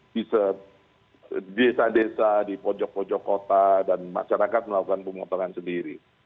di desa desa di pojok pojok kota dan masyarakat melakukan pemotongan sendiri